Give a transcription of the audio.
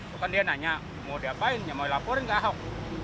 bukan dia nanya mau diapain mau di laporin enggak ahok